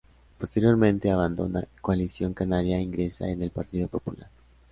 Posteriormente abandona Coalición Canaria e ingresa en el Partido Popular.